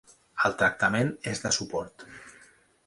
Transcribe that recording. El tractament és de suport.